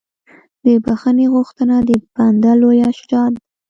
د بښنې غوښتنه د بنده لویه شجاعت ده.